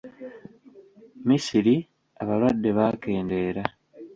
Misiri abalwadde baakendeera.